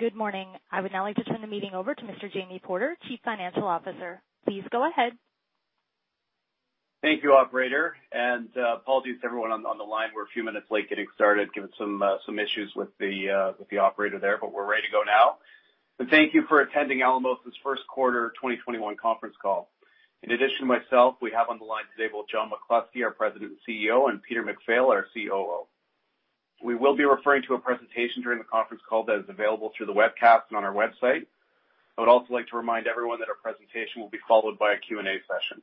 Good morning. I would now like to turn the meeting over to Mr. Jamie Porter, Chief Financial Officer. Please go ahead. Thank you, operator. Apologies to everyone on the line. We're a few minutes late getting started given some issues with the operator there, but we're ready to go now. Thank you for attending Alamos's first quarter 2021 conference call. In addition to myself, we have on the line today both John McCluskey, our President and CEO, and Peter MacPhail, our COO. We will be referring to a presentation during the conference call that is available through the webcast and on our website. I would also like to remind everyone that our presentation will be followed by a Q&A session.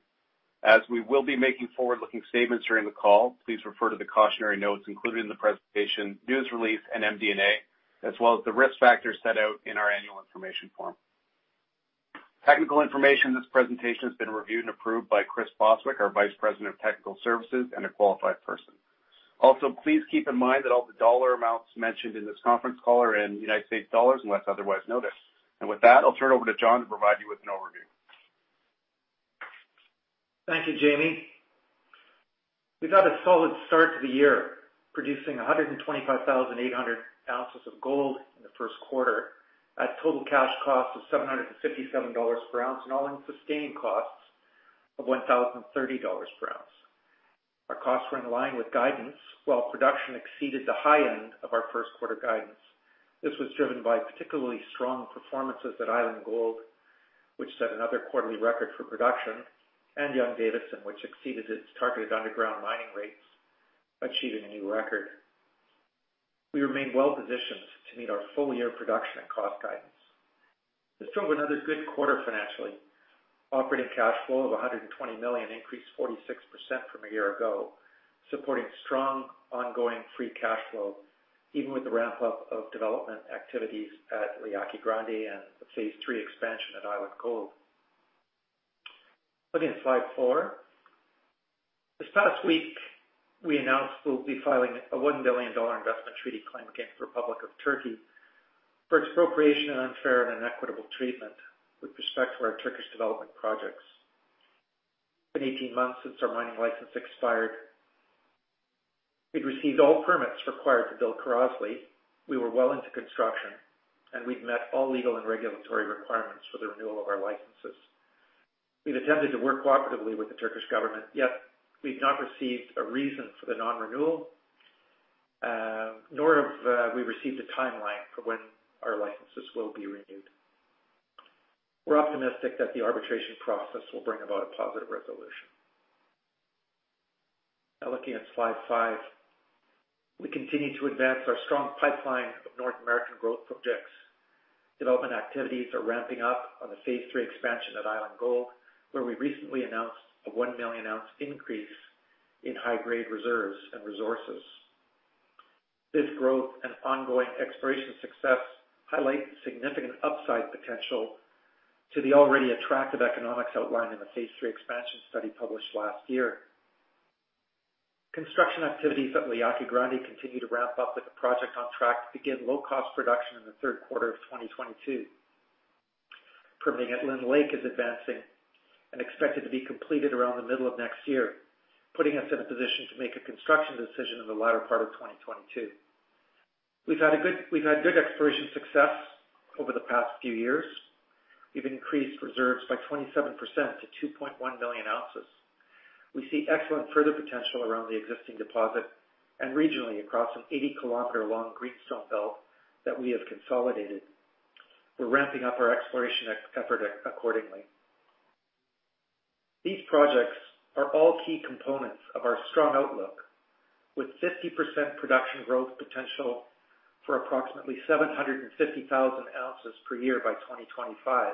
As we will be making forward-looking statements during the call, please refer to the cautionary notes included in the presentation, news release, and MD&A, as well as the risk factors set out in our annual information form. Technical information in this presentation has been reviewed and approved by Chris Bostwick, our Vice President of Technical Services, and a qualified person. Please keep in mind that all the dollar amounts mentioned in this conference call are in United States dollars, unless otherwise noted. With that, I'll turn it over to John to provide you with an overview. Thank you, Jamie. We've got a solid start to the year, producing 125,800 oz of gold in the first quarter at total cash cost of 757 dollars per oz and all-in sustaining costs of 1,030 dollars per oz. Our costs were in line with guidance while production exceeded the high end of our first quarter guidance. This was driven by particularly strong performances at Island Gold, which set another quarterly record for production, and Young-Davidson, which exceeded its targeted underground mining rates, achieving a new record. We remain well-positioned to meet our full-year production and cost guidance. This is still another good quarter financially. Operating cash flow of 120 million increased 46% from a year ago, supporting strong, ongoing free cash flow even with the ramp-up of development activities at La Yaqui Grande and the Phase 3 expansion at Island Gold. Looking at slide four. This past week, we announced we'll be filing a 1 billion dollar investment treaty claim against the Republic of Turkey for its expropriation and unfair and inequitable treatment with respect to our Turkish development projects. It's been 18 months since our mining license expired. We'd received all permits required to build Kirazli, we were well into construction, and we'd met all legal and regulatory requirements for the renewal of our licenses. We've attempted to work cooperatively with the Turkish government, yet we've not received a reason for the non-renewal, nor have we received a timeline for when our licenses will be renewed. We're optimistic that the arbitration process will bring about a positive resolution. Now, looking at slide five. We continue to advance our strong pipeline of North American growth projects. Development activities are ramping up on the Phase Three expansion at Island Gold, where we recently announced a one million oz increase in high-grade reserves and resources. This growth and ongoing exploration success highlight the significant upside potential to the already attractive economics outlined in the Phase Three expansion study published last year. Construction activities at La Yaqui Grande continue to ramp up with the project on track to begin low-cost production in the third quarter of 2022. Permitting at Lynn Lake is advancing and expected to be completed around the middle of next year, putting us in a position to make a construction decision in the latter part of 2022. We've had good exploration success over the past few years. We've increased reserves by 27% to 2.1 million oz. We see excellent further potential around the existing deposit and regionally across an 80 km-long greenstone belt that we have consolidated. We're ramping up our exploration effort accordingly. These projects are all key components of our strong outlook, with 50% production growth potential for approximately 750,000 oz per year by 2025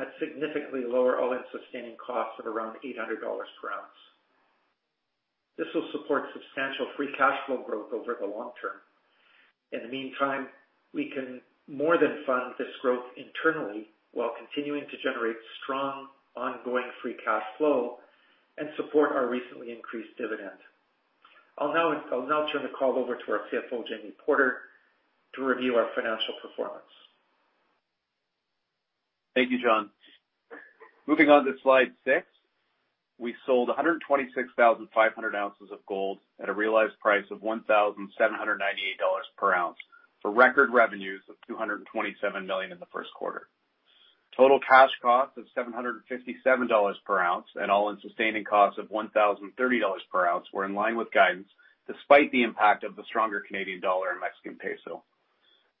at significantly lower all-in sustaining costs at around 800 dollars per oz. This will support substantial free cash flow growth over the long term. In the meantime, we can more than fund this growth internally while continuing to generate strong, ongoing free cash flow and support our recently increased dividend. I'll now turn the call over to our CFO, Jamie Porter, to review our financial performance. Thank you, John. Moving on to slide six. We sold 126,500 oz of gold at a realized price of 1,798 dollars per oz for record revenues of 227 million in the first quarter. Total cash cost of 757 dollars per oz and all-in sustaining costs of 1,030 dollars per oz were in line with guidance, despite the impact of the stronger Canadian dollar and Mexican peso.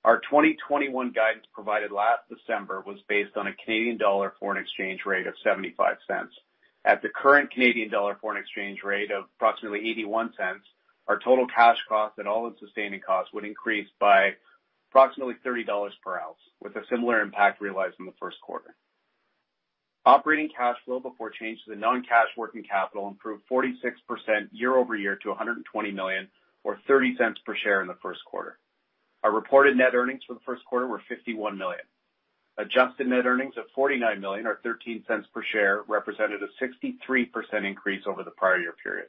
Our 2021 guidance provided last December was based on a Canadian dollar foreign exchange rate of 0.75. At the current Canadian dollar foreign exchange rate of approximately 0.81, our total cash cost and all-in sustaining costs would increase by approximately 30 dollars per oz, with a similar impact realized in the first quarter. Operating cash flow before change to the non-cash working capital improved 46% year-over-year to 120 million, or 0.30 per share in the first quarter. Our reported net earnings for the first quarter were 51 million. Adjusted net earnings of 49 million, or 0.13 per share, represented a 63% increase over the prior year period.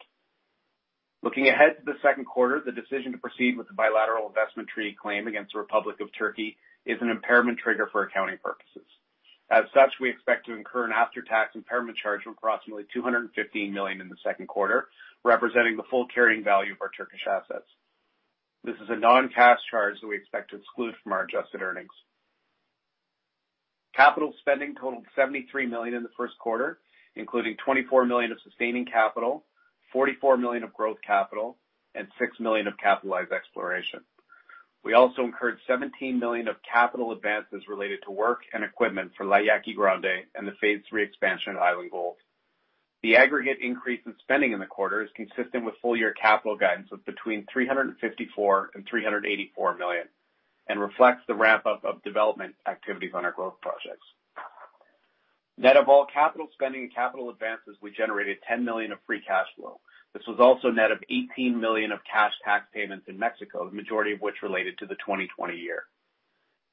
Looking ahead to the second quarter, the decision to proceed with the bilateral investment treaty claim against the Republic of Turkey is an impairment trigger for accounting purposes. We expect to incur an after-tax impairment charge of approximately CAD 215 million in the second quarter, representing the full carrying value of our Turkish assets. This is a non-cash charge that we expect to exclude from our adjusted earnings. Capital spending totaled CAD 73 million in the first quarter, including CAD 24 million of sustaining capital, CAD 44 million of growth capital, and CAD 6 million of capitalized exploration. We also incurred CAD 17 million of capital advances related to work and equipment for La Yaqui Grande and the Phase Three expansion of Island Gold. The aggregate increase in spending in the quarter is consistent with full-year capital guidance of between 354 million and 384 million, and reflects the ramp-up of development activities on our growth projects. Net of all capital spending and capital advances, we generated 10 million of free cash flow. This was also net of 18 million of cash tax payments in Mexico, the majority of which related to the 2020 year.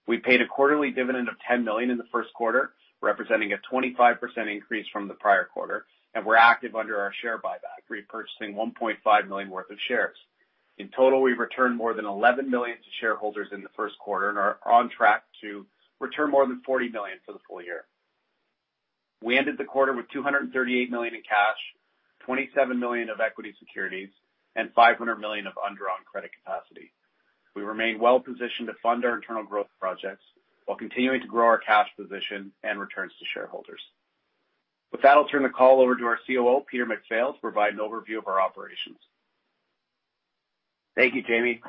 We paid a quarterly dividend of 10 million in the first quarter, representing a 25% increase from the prior quarter. We're active under our share buyback, repurchasing 1.5 million worth of shares. In total, we've returned more than 11 million to shareholders in the first quarter and are on track to return more than 40 million for the full year. We ended the quarter with 238 million in cash, 27 million of equity securities, and 500 million of undrawn credit capacity. We remain well positioned to fund our internal growth projects while continuing to grow our cash position and returns to shareholders. With that, I'll turn the call over to our COO, Peter MacPhail, to provide an overview of our operations. Thank you, Jamie.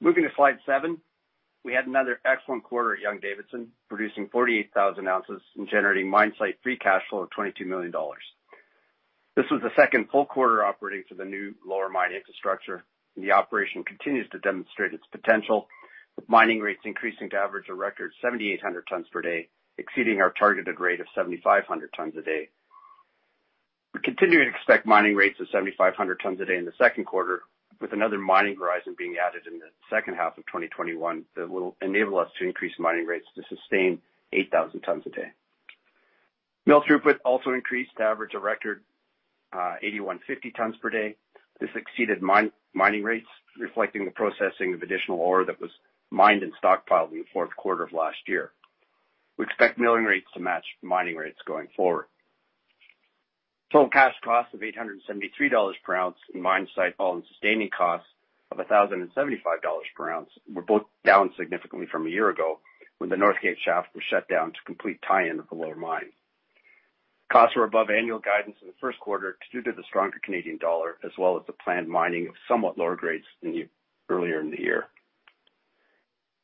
Moving to slide seven, we had another excellent quarter at Young-Davidson, producing 48,000 oz and generating mine-site free cash flow of 22 million dollars. This was the second full quarter operating for the new lower mine infrastructure, the operation continues to demonstrate its potential, with mining rates increasing to average a record 7,800 tons per day, exceeding our targeted rate of 7,500 tons a day. We continue to expect mining rates of 7,500 tons a day in the second quarter, with another mining horizon being added in the second half of 2021 that will enable us to increase mining rates to sustain 8,000 tons a day. Mill throughput also increased to average a record 8,150 tons per day. This exceeded mining rates, reflecting the processing of additional ore that was mined and stockpiled in the fourth quarter of last year. We expect milling rates to match mining rates going forward. Total cash costs of 873 dollars per oz in mine-site all-in sustaining costs of 1,075 dollars per oz were both down significantly from a year ago, when the Northgate Shaft was shut down to complete tie-in with the lower mine. Costs were above annual guidance in the first quarter due to the stronger Canadian dollar, as well as the planned mining of somewhat lower grades earlier in the year.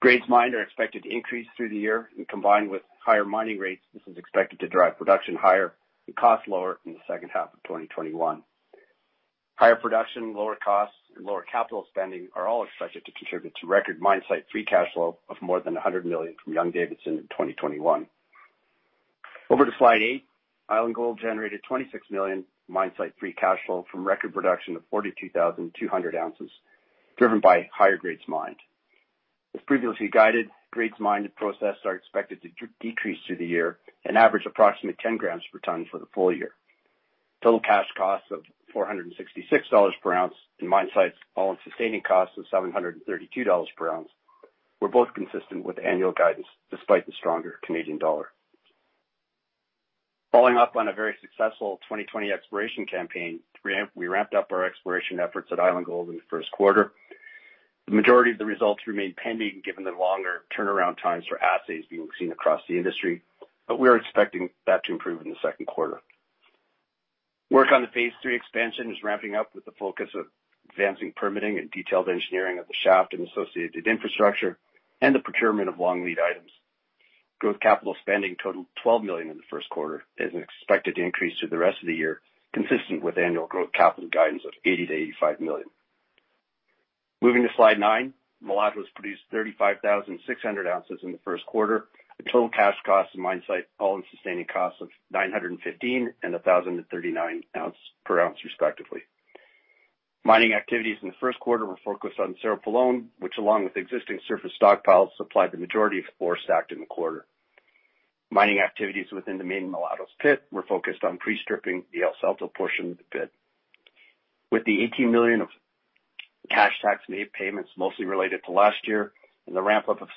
Grades mined are expected to increase through the year and combined with higher mining rates, this is expected to drive production higher and costs lower in the second half of 2021. Higher production, lower costs, and lower capital spending are all expected to contribute to record mine-site free cash flow of more than 100 million from Young-Davidson in 2021. Over to slide eight, Island Gold generated 26 million mine-site free cash flow from record production of 42,200 oz, driven by higher grades mined. As previously guided, grades mined and processed are expected to decrease through the year and average approximately 10 grams per tonne for the full year. Total cash costs of 466 dollars per oz and mine-site all-in sustaining costs of 732 dollars per oz were both consistent with annual guidance despite the stronger Canadian dollar. Following up on a very successful 2020 exploration campaign, we ramped up our exploration efforts at Island Gold in the first quarter. The majority of the results remain pending given the longer turnaround times for assays being seen across the industry, we are expecting that to improve in the second quarter. Work on the Phase Three expansion is ramping up with the focus of advancing permitting and detailed engineering of the shaft and associated infrastructure and the procurement of long lead items. Growth capital spending totaled 12 million in the first quarter and is expected to increase through the rest of the year, consistent with annual growth capital guidance of 80 million-85 million. Moving to slide nine, Mulatos produced 35,600 oz in the first quarter at total cash costs and mine-site all-in sustaining costs of 915 and 1,039 per oz respectively. Mining activities in the first quarter were focused on Cerro Pelon, which along with existing surface stockpiles, supplied the majority of ore stacked in the quarter. Mining activities within the main Mulatos pit were focused on pre-stripping the El Salto portion of the pit. With the 18 million of cash tax made payments mostly related to last year and the ramp-up of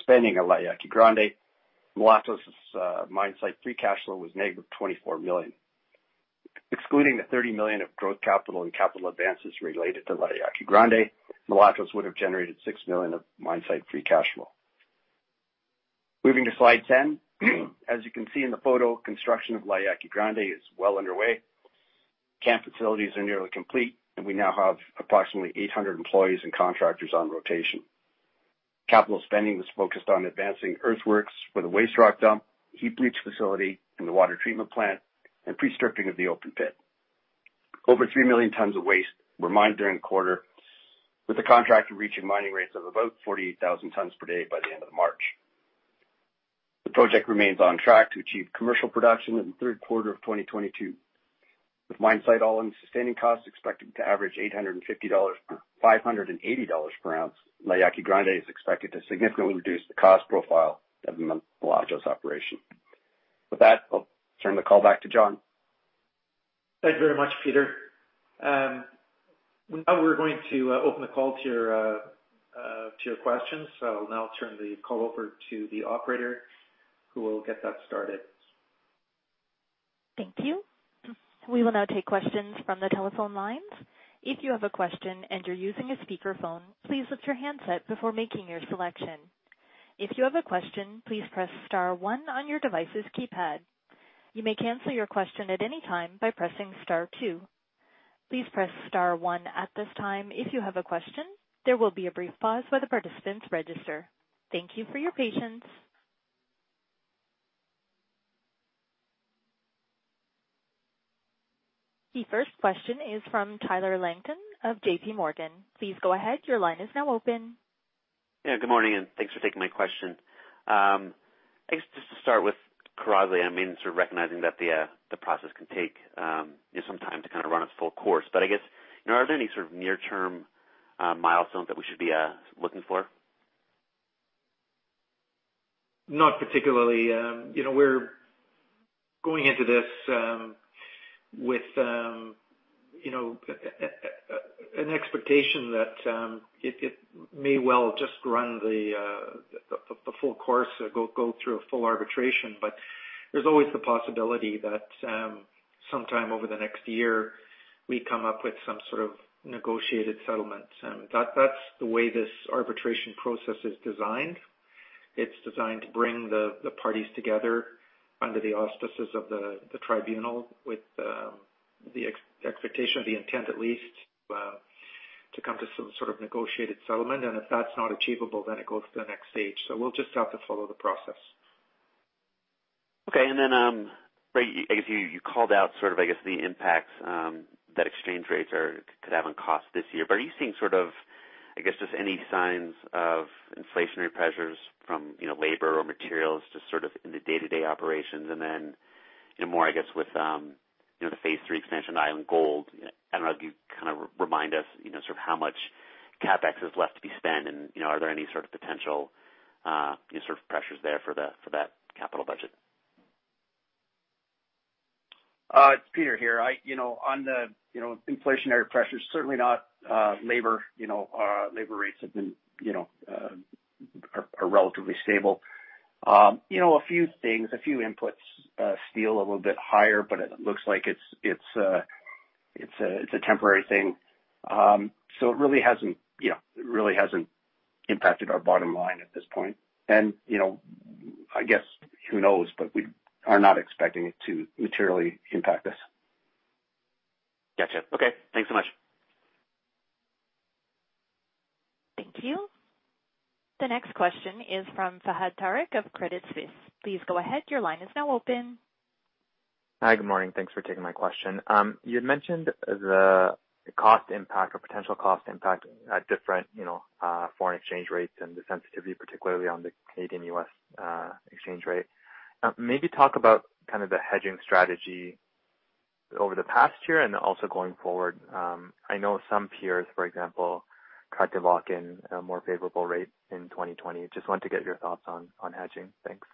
spending at La Yaqui Grande, Mulatos mine site free cash flow was negative 24 million. Excluding the 30 million of growth capital and capital advances related to La Yaqui Grande, Mulatos would have generated 6 million of mine site free cash flow. Moving to slide 10. As you can see in the photo, construction of La Yaqui Grande is well underway. Camp facilities are nearly complete, and we now have approximately 800 employees and contractors on rotation. Capital spending was focused on advancing earthworks for the waste rock dump, heap leach facility, and the water treatment plant, and pre-stripping of the open pit. Over 3 million tons of waste were mined during the quarter, with the contractor reaching mining rates of about 48,000 tons per day by the end of March. The project remains on track to achieve commercial production in the third quarter of 2022. With mine-site all-in sustaining costs expected to average 580 dollars per oz, La Yaqui Grande is expected to significantly reduce the cost profile of the Mulatos operation. With that, I'll turn the call back to John. Thanks very much, Peter. We're going to open the call to your questions. I will now turn the call over to the operator, who will get that started. Thank you. We will now take questions from the telephone lines. If you have a question and you're using a speakerphone, please lift your handset before making your selection. If you have a question, please press star one on your device's keypad. You may cancel your question at any time by pressing star two. Please press star one at this time if you have a question. There will be a brief pause while the participants register. Thank you for your patience. The first question is from Tyler Langton of JPMorgan. Please go ahead. Your line is now open. Yeah, good morning, and thanks for taking my question. I guess just to start with [Corrale], I mean, sort of recognizing that the process can take some time to kind of run its full course, but I guess are there any sort of near term milestones that we should be looking for? Not particularly. We're going into this with an expectation that it may well just run the full course, go through a full arbitration. There's always the possibility that sometime over the next year, we come up with some sort of negotiated settlement. That's the way this arbitration process is designed. It's designed to bring the parties together under the auspices of the tribunal with the expectation or the intent at least, to come to some sort of negotiated settlement. If that's not achievable, then it goes to the next stage. We'll just have to follow the process. Okay. You called out sort of the impacts that exchange rates could have on cost this year. Are you seeing any signs of inflationary pressures from labor or materials in the day-to-day operations? With the Phase 3 expansion on Island Gold, I don't know if you remind us how much CapEx is left to be spent, and are there any potential pressures there for that capital budget? It's Peter here. On the inflationary pressures, certainly not labor. Labor rates are relatively stable. A few things, a few inputs, steel a little bit higher, but it looks like it's a temporary thing. It really hasn't impacted our bottom line at this point. I guess, who knows, but we are not expecting it to materially impact us. Got you. Okay, thanks so much. Thank you. The next question is from Fahad Tariq of Credit Suisse. Please go ahead. Your line is now open. Hi, good morning. Thanks for taking my question. You had mentioned the cost impact or potential cost impact at different foreign exchange rates and the sensitivity, particularly on the Canadian/U.S. exchange rate. Maybe talk about kind of the hedging strategy over the past year and also going forward. I know some peers, for example, tried to lock in a more favorable rate in 2020. Just wanted to get your thoughts on hedging. Thanks.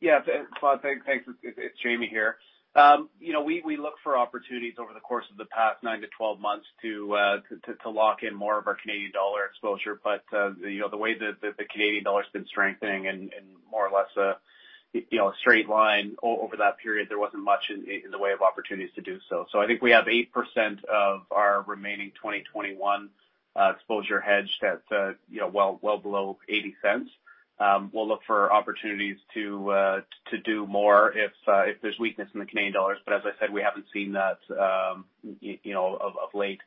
Yeah, Fahad, thanks. It's Jamie here. We looked for opportunities over the course of the past nine to 12 months to lock in more of our Canadian dollar exposure. The way that the Canadian dollar's been strengthening in more or less a straight line over that period, there wasn't much in the way of opportunities to do so. I think we have 8% of our remaining 2021 exposure hedged at well below 0.80. We'll look for opportunities to do more if there's weakness in the Canadian dollar. As I said, we haven't seen that of late.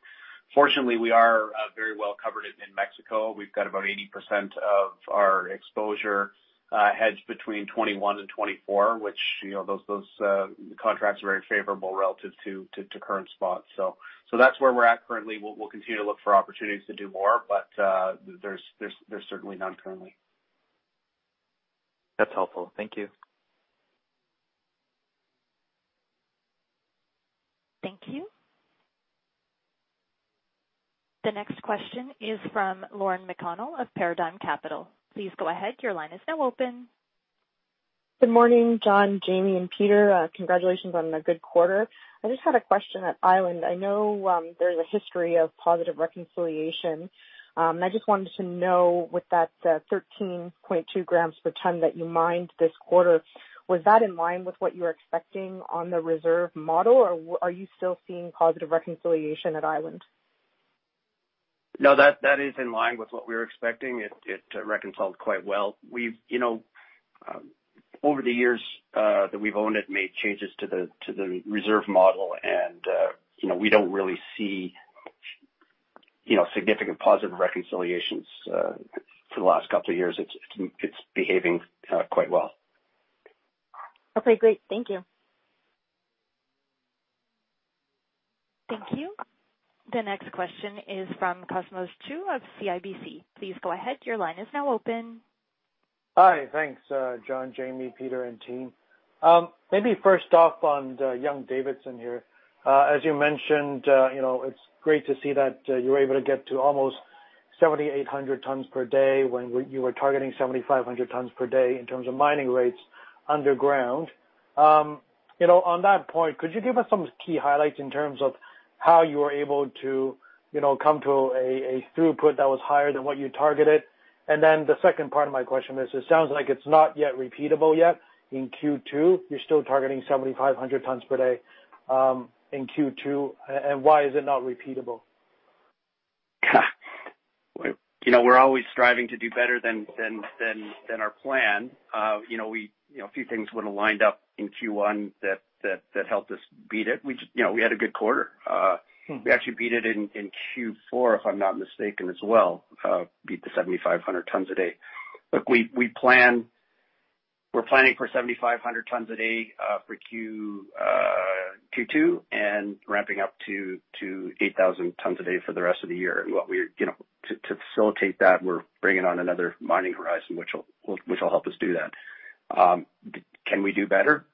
Fortunately, we are very well covered in Mexico. We've got about 80% of our exposure hedged between 2021 and 2024, which those contracts are very favorable relative to current spots. That's where we're at currently. We'll continue to look for opportunities to do more, there's certainly none currently. That's helpful. Thank you. Thank you. The next question is from Lauren McConnell of Paradigm Capital. Please go ahead. Your line is now open. Good morning, John, Jamie, and Peter. Congratulations on a good quarter. I just had a question at Young-Davidson. I know there's a history of positive reconciliation. I just wanted to know with that 13.2 grams per tonne that you mined this quarter, was that in line with what you were expecting on the reserve model, or are you still seeing positive reconciliation at Young-Davidson? No, that is in line with what we were expecting. It reconciled quite well. Over the years that we've owned it, made changes to the reserve model and we don't really see significant positive reconciliations for the last couple of years. It's behaving quite well. Okay, great. Thank you. Thank you. The next question is from Cosmos Chiu of CIBC. Please go ahead. Your line is now open. Hi. Thanks, John, Jamie, Peter, and team. Maybe first off on Young-Davidson here. As you mentioned, it's great to see that you were able to get to almost 7,800 tons per day when you were targeting 7,500 tons per day in terms of mining rates underground. On that point, could you give us some key highlights in terms of how you were able to come to a throughput that was higher than what you targeted? The second part of my question is, it sounds like it's not yet repeatable yet in Q2. You're still targeting 7,500 tons per day in Q2, and why is it not repeatable? We're always striving to do better than our plan. A few things would've lined up in Q1 that helped us beat it. We had a good quarter. We actually beat it in Q4, if I'm not mistaken as well, beat the 7,500 tons a day. Look, we're planning for 7,500 tons a day for Q2, and ramping up to 8,000 tons a day for the rest of the year. To facilitate that, we're bringing on another mining horizon, which will help us do that. Can we do better?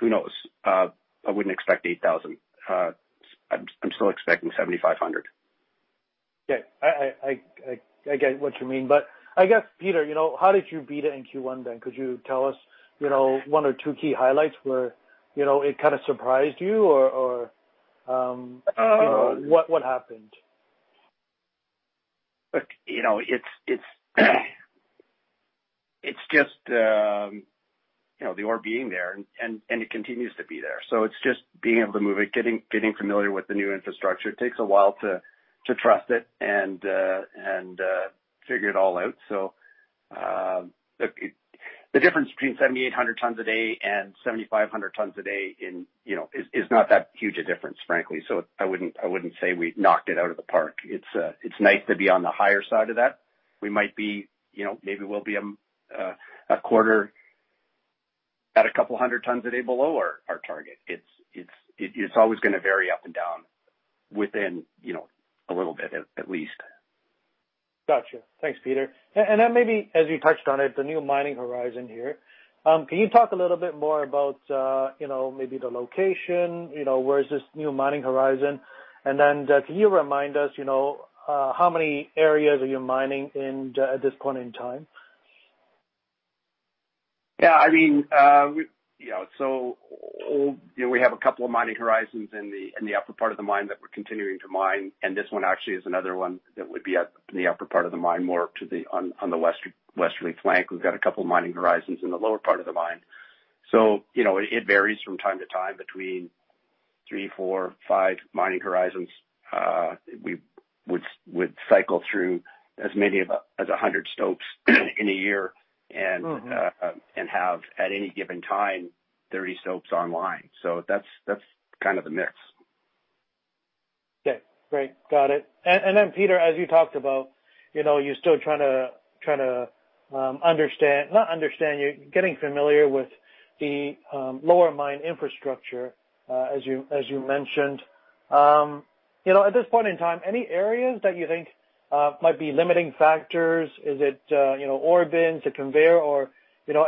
Who knows? I wouldn't expect 8,000. I'm still expecting 7,500. Yeah. I get what you mean. I guess, Peter, how did you beat it in Q1 then? Could you tell us one or two key highlights where it kind of surprised you, or what happened? Look, it's just the ore being there, and it continues to be there. It's just being able to move it, getting familiar with the new infrastructure. It takes a while to trust it and figure it all out. The difference between 7,800 tons a day and 7,500 tons a day is not that huge a difference, frankly. I wouldn't say we knocked it out of the park. It's nice to be on the higher side of that. We might be a quarter at a couple hundred tons a day below our target. It's always gonna vary up and down within a little bit, at least. Got you. Thanks, Peter. Then maybe as you touched on it, the new mining horizon here. Can you talk a little bit more about maybe the location, where is this new mining horizon? Then can you remind us, how many areas are you mining at this point in time? Yeah. We have a couple of mining horizons in the upper part of the mine that we're continuing to mine, and this one actually is another one that would be at the upper part of the mine, more on the westerly flank. We've got a couple mining horizons in the lower part of the mine. It varies from time to time between three, four, five mining horizons. We would cycle through as many as 100 stopes in a year. and have, at any given time, 30 stopes online. That's kind of the mix. Okay. Great. Got it. Peter, as you talked about, you're still getting familiar with the lower mine infrastructure, as you mentioned. At this point in time, any areas that you think might be limiting factors? Is it ore bins, the conveyor, or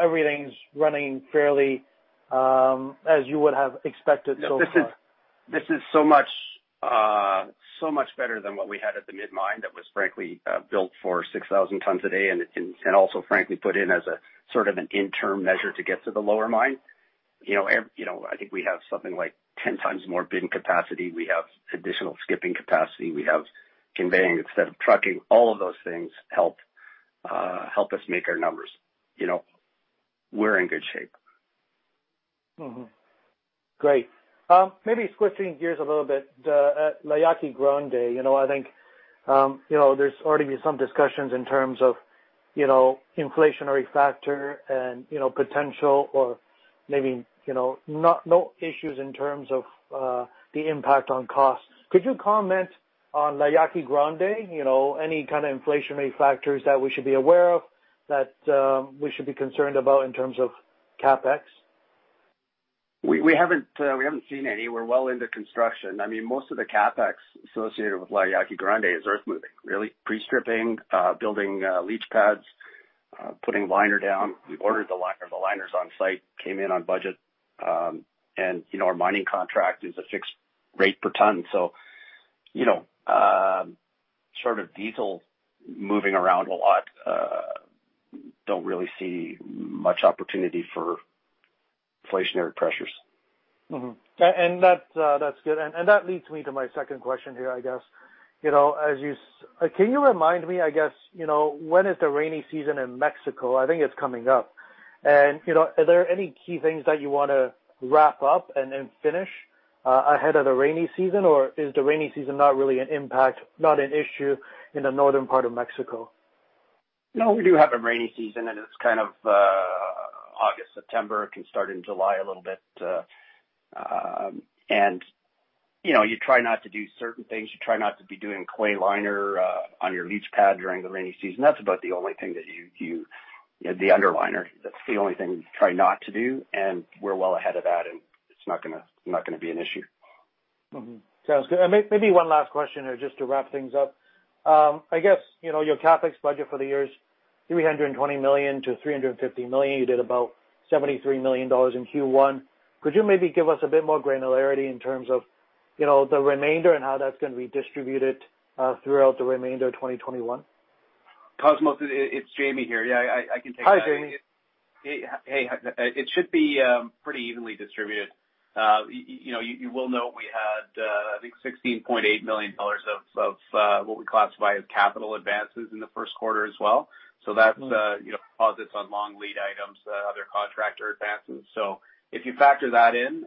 everything's running fairly as you would have expected so far? This is so much better than what we had at the midmine that was frankly, built for 6,000 tons a day, and also frankly put in as a sort of an interim measure to get to the lower mine. I think we have something like 10 times more bin capacity. We have additional skipping capacity. We have conveying instead of trucking. All of those things help us make our numbers. We're in good shape. Great. Maybe switching gears a little bit. At La Yaqui Grande, I think there's already been some discussions in terms of inflationary factor and potential or maybe no issues in terms of the impact on costs. Could you comment on La Yaqui Grande? Any kind of inflationary factors that we should be aware of, that we should be concerned about in terms of CapEx? We haven't seen any. We're well into construction. Most of the CapEx associated with La Yaqui Grande is earth moving, really. Pre-stripping, building leach pads, putting liner down. We ordered the liner. The liner's on site, came in on budget. Our mining contract is a fixed rate per ton. Short of diesel moving around a lot, don't really see much opportunity for inflationary pressures. That's good. That leads me to my second question here, I guess. Can you remind me, I guess, when is the rainy season in Mexico? I think it's coming up. Are there any key things that you want to wrap up and then finish ahead of the rainy season? Is the rainy season not really an impact, not an issue in the northern part of Mexico? No, we do have a rainy season, and it's kind of August, September. It can start in July a little bit. You try not to do certain things. You try not to be doing clay liner on your leach pad during the rainy season. That's about the only thing that you, the underliner, that's the only thing you try not to do, and we're well ahead of that, and it's not gonna be an issue. Sounds good. Maybe one last question here just to wrap things up. I guess, your CapEx budget for the year is 320 million-350 million. You did about 73 million dollars in Q1. Could you maybe give us a bit more granularity in terms of the remainder and how that's going to be distributed throughout the remainder of 2021? Cosmos, it's Jamie here. Yeah, I can take that. Hi, Jamie. Hey. It should be pretty evenly distributed. You know we had, I think, 16.8 million dollars of what we classify as capital advances in the first quarter as well. That's deposits on long lead items, other contractor advances. If you factor that in,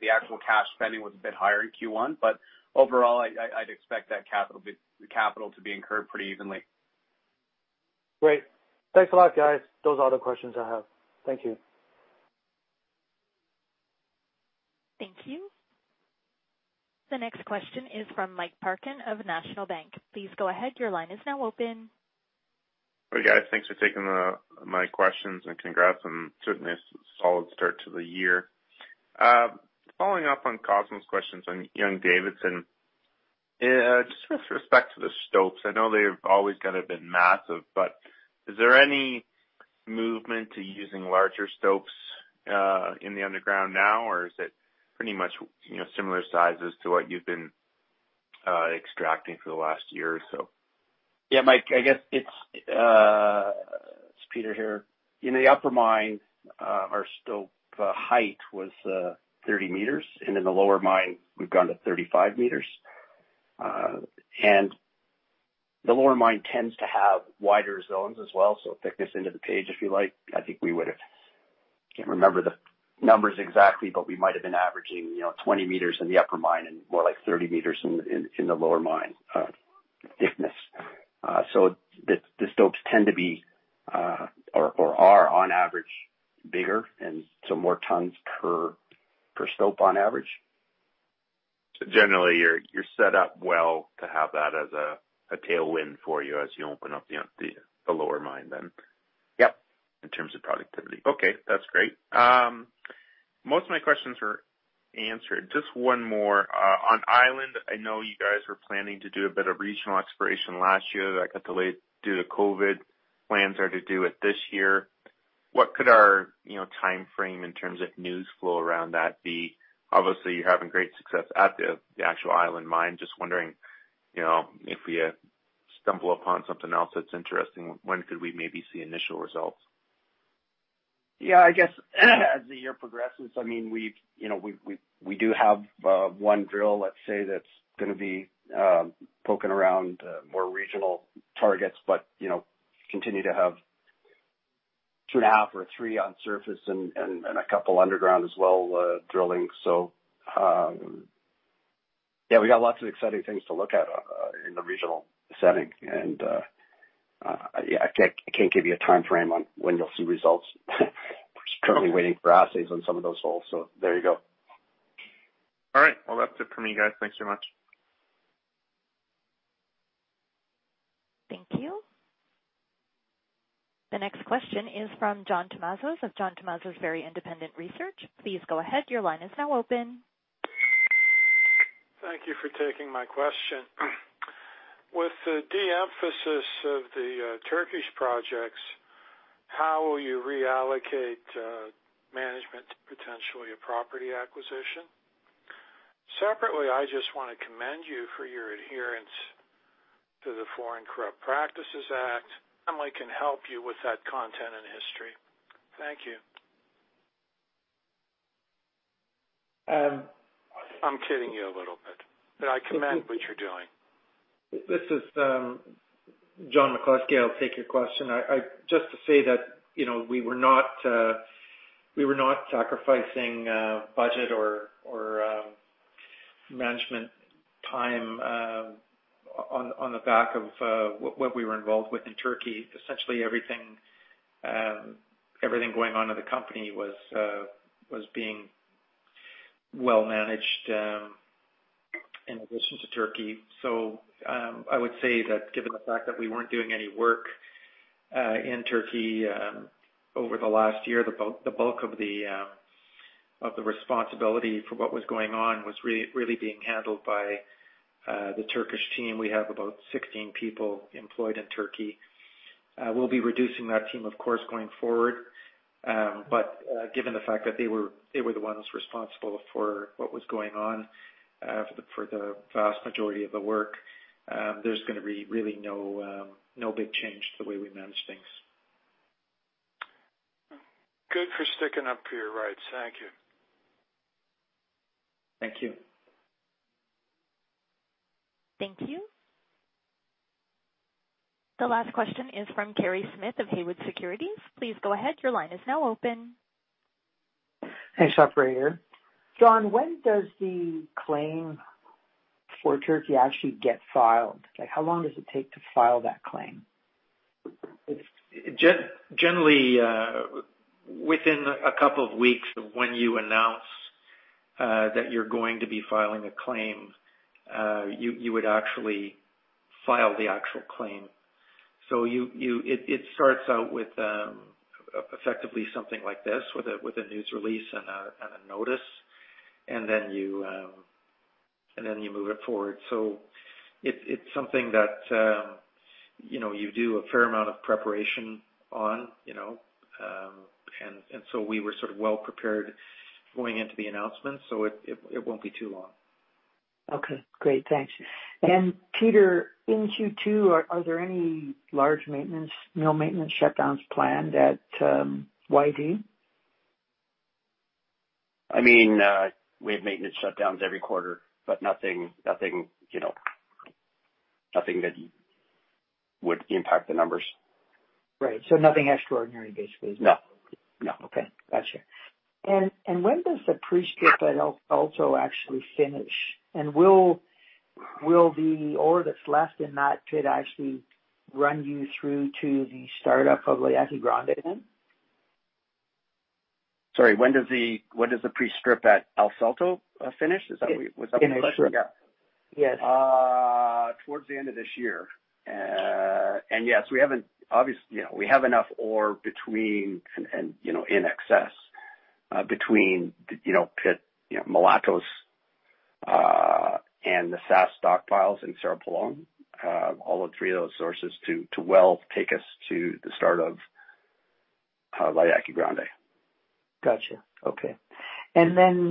the actual cash spending was a bit higher in Q1. Overall, I'd expect that capital to be incurred pretty evenly. Great. Thanks a lot, guys. Those are all the questions I have. Thank you. Thank you. The next question is from Michael Parkin of National Bank. Please go ahead. Hi, guys. Thanks for taking my questions and congrats on certainly a solid start to the year. Following up on Cosmo's questions on Young-Davidson, just with respect to the stopes, I know they've always kind of been massive, but is there any movement to using larger stopes in the underground now, or is it pretty much similar sizes to what you've been extracting for the last year or so? Yeah, Mike, it's Peter here. In the upper mine, our stope height was 30 m, and in the lower mine, we've gone to 35 m. The lower mine tends to have wider zones as well, so thickness into the page, if you like. I can't remember the numbers exactly, but we might have been averaging 20 m in the upper mine and more like 30 m in the lower mine thickness. The stopes tend to be, or are on average, bigger and so more tons per stope on average. Generally, you're set up well to have that as a tailwind for you as you open up the Lower Mine. Yep in terms of productivity. Okay, that's great. Most of my questions were answered. Just one more. On YD, I know you guys were planning to do a bit of regional exploration last year that got delayed due to COVID. Plans are to do it this year. What could our timeframe in terms of news flow around that be? Obviously, you're having great success at the actual YD mine. Just wondering, if we stumble upon something else that's interesting, when could we maybe see initial results? Yeah, I guess as the year progresses, we do have one drill, let's say, that's going to be poking around more regional targets, but continue to have two and a half or three on surface and a couple underground as well, drilling. We got lots of exciting things to look at in the regional setting, and I can't give you a timeframe on when you'll see results. We're currently waiting for assays on some of those holes, so there you go. All right. Well, that's it for me, guys. Thanks so much. Thank you. The next question is from John Tumazos of John Tumazos Very Independent Research. Please go ahead. Thank you for taking my question. With the de-emphasis of the Turkish projects, how will you reallocate management to potentially a property acquisition? Separately, I just want to commend you for your adherence to the Foreign Corrupt Practices Act. I only can help you with that content and history. Thank you. I'm kidding you a little bit, but I commend what you're doing. This is John McCluskey. I'll take your question. Just to say that we were not sacrificing budget or management time on the back of what we were involved with in Turkey. Essentially, everything going on in the company was being well managed in addition to Turkey. I would say that given the fact that we weren't doing any work in Turkey over the last year, the bulk of the responsibility for what was going on was really being handled by the Turkish team. We have about 16 people employed in Turkey. We'll be reducing that team, of course, going forward. Given the fact that they were the ones responsible for what was going on for the vast majority of the work, there's going to be really no big change to the way we manage things. Good for sticking up for your rights. Thank you. Thank you. Thank you. The last question is from Kerry Smith of Haywood Securities. Please go ahead. Hey, [Shafer] here. John, when does the claim for Turkey actually get filed? How long does it take to file that claim? Generally, within a couple of weeks of when you annoz that you're going to be filing a claim, you would actually file the actual claim. It starts out with effectively something like this, with a news release and a notice. Then you move it forward. It's something that you do a fair amount of preparation on. We were sort of well prepared going into the announcement, so it won't be too long. Okay, great. Thanks. Peter, in Q2, are there any large maintenance, mill maintenance shutdowns planned at YD? We have maintenance shutdowns every quarter, but nothing that would impact the numbers. Right. Nothing extraordinary, basically. No. Okay. Got you. When does the pre-strip at El Salto actually finish? Will the ore that's left in that pit actually run you through to the startup of La Yaqui Grande then? Sorry, when does the pre-strip at El Salto finish? Is that what? Yes. Towards the end of this year. Yes, we have enough ore between, and in excess, between pit Mulatos, and the [SASS] stockpiles in Cerro Pelón, all of three of those sources to well take us to the start of La Yaqui Grande. Got you. Okay.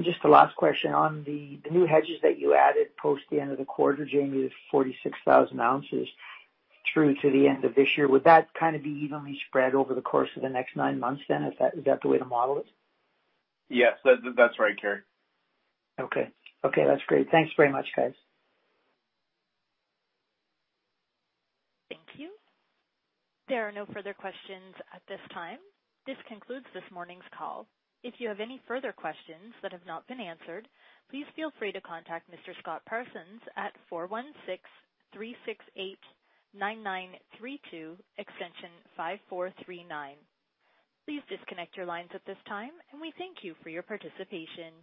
Just the last question on the new hedges that you added post the end of the quarter, January the 46,000 oz through to the end of this year. Would that be evenly spread over the course of the next nine months then? Is that the way to model it? Yes. That's right, Kerry. Okay. That's great. Thanks very much, guys. Thank you. There are no further questions at this time. This concludes this morning's call. If you have any further questions that have not been answered, please feel free to contact Mr. Scott Parsons at 416 368 9932 extension 5439. Please disconnect your lines at this time, and we thank you for your participation.